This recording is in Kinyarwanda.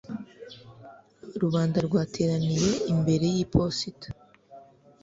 Rubanda rwateraniye imbere yiposita.